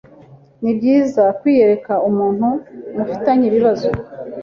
Nibyiza kwiyereka umuntu mufitanye ibibazo